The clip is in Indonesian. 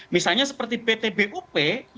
misalnya seperti pt bup yang direkturnya adalah pak jokowi